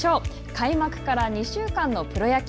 開幕から２週間のプロ野球。